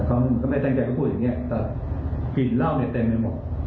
แต่เขาก็ไม่ได้ตั้งใจมาพูดอย่างเงี้ยแต่กลิ่นเหล้าเนี่ยเต็มไปหมด